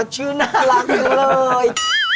ชื่อน่ารักจังเลย